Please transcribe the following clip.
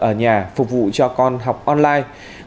ở nhà phục vụ cho con học online